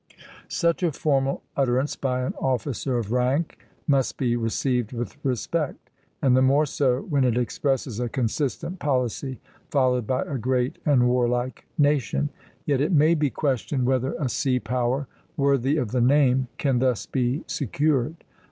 Such a formal utterance by an officer of rank must be received with respect, and the more so when it expresses a consistent policy followed by a great and warlike nation; yet it may be questioned whether a sea power worthy of the name can thus be secured.